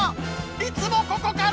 いつもここから